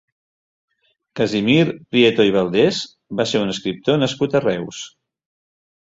Casimir Prieto i Valdés va ser un escriptor nascut a Reus.